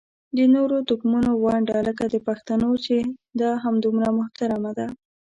د نورو توکمونو ونډه لکه د پښتنو چې ده همدومره محترمه ده.